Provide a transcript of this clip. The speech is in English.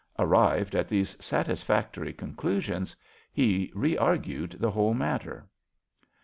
Arrived at these satisfactory conclusions, he reargued the whole matter.